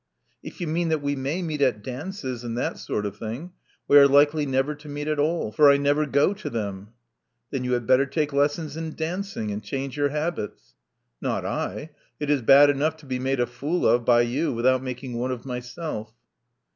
'*If you mean that we may meet at dances, and that sort of thing, we are likely never to meet at all; for I never go to them.*' Then you had better take lessons in dancing, and change your habits.'* *'Not I. It is bad enough to be made a fool of by you without making one of myself."